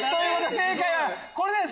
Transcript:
正解はこれです。